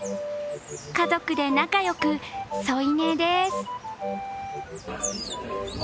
家族で仲良く添い寝です。